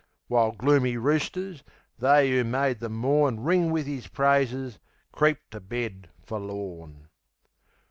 W'ile gloomy roosters, they 'oo made the morn Ring wiv 'is praises, creep to bed forlorn.